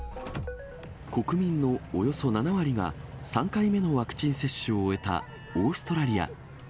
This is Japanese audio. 国民のおよそ７割が３回目のワクチン接種を終えたオーストラリア。